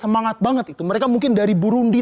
semangat banget itu mereka mungkin dari burundi